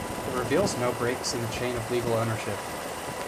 It reveals no breaks in the chain of legal ownership.